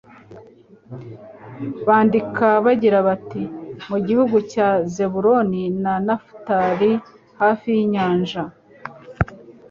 bandika bagira bati : "Mu gihugu cya Zaburoni na Nafutali hafi y'inyanja,